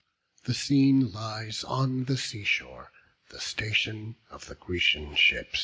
The scene lies on the sea shore, the station of the Grecian ships.